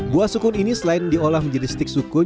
buah sukun ini selain diolah menjadi stik sukun